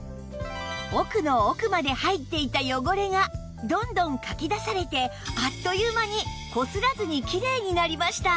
奥の奥まで入っていた汚れがどんどんかき出されてあっという間にこすらずにきれいになりました